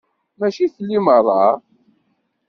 Mačči fell-i merra.